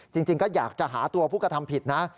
จริงก็อยากจะหาตัวภูกษาธรรมผิดนะ